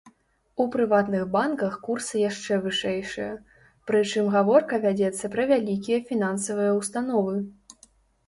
У прыватных банках курсы яшчэ вышэйшыя, прычым гаворка вядзецца пра вялікія фінансавыя ўстановы.